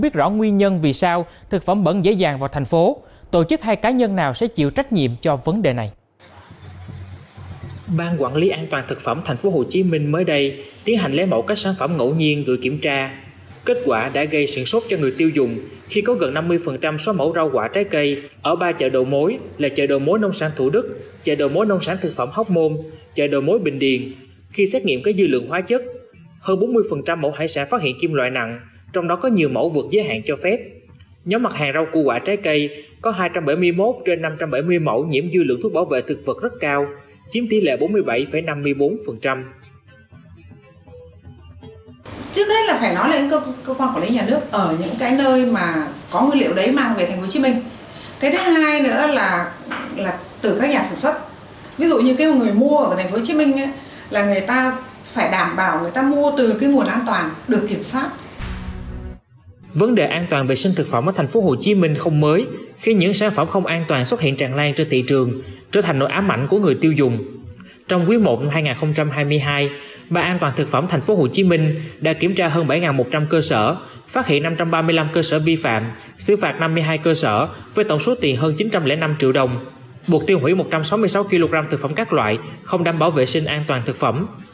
trong quý i năm hai nghìn hai mươi hai bà an toàn thực phẩm tp hcm đã kiểm tra hơn bảy một trăm linh cơ sở phát hiện năm trăm ba mươi năm cơ sở vi phạm xứ phạt năm mươi hai cơ sở với tổng số tiền hơn chín trăm linh năm triệu đồng buộc tiêu hủy một trăm sáu mươi sáu kg thực phẩm các loại không đảm bảo vệ sinh an toàn thực phẩm